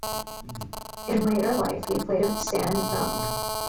In later life he played with Stan McDonald.